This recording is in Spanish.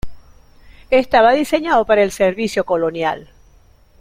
Estaba diseñado para el servicio colonial.